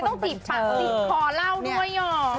ทำไมต้องติดปากติดขอเล่าด้วยหรอ